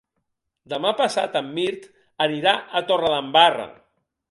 Demà passat en Mirt anirà a Torredembarra.